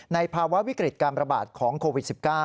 ภาวะวิกฤตการประบาดของโควิด๑๙